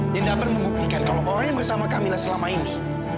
dia dapat membuktikan kalau orang yang bersama kamilah selama ini